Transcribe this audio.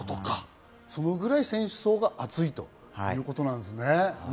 そのぐらい選手層が厚いということですね。